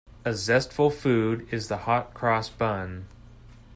A zestful food is the hot-cross bun.